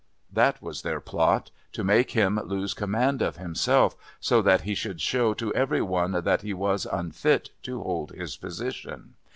That was their plot, to make him lose command of himself, so that he should show to every one that he was unfit to hold his position.